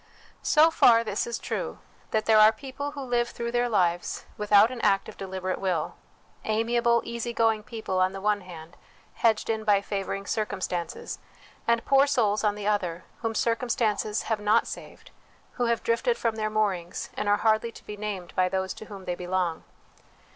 So far is this true, that there are people who live through their lives without an act of deliberate will : amiable, easy going people, on the one hand, hedged in by favouring circumstances ; and poor souls, on the other, whom circumstances have not saved, who have drifted from their moorings, and are hardly to be named by those to whom they belong.